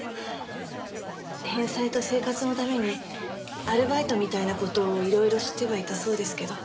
返済と生活のためにアルバイトみたいな事をいろいろしてはいたそうですけど。